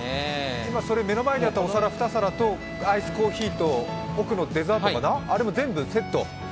今、目の前にあったお皿２皿とアイスコーヒーとデザート、あれも全部セット？